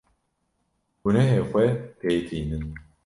Gunehê xwe pê tînin.